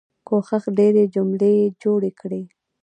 کوښښ ډيرې جملې جوړې کړم.